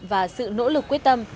và sự nỗ lực quyết tâm